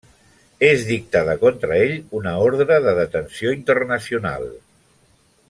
És dictada contra ell una ordre de detenció internacional.